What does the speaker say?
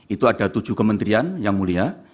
itu ada tujuh kementerian yang mulia